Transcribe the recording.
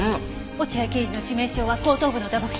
落合刑事の致命傷は後頭部の打撲傷。